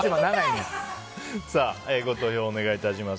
ご投票お願いします。